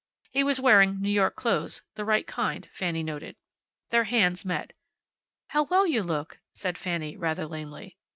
He was wearing New York clothes the right kind, Fanny noted. Their hands met. "How well you look," said Fanny, rather lamely.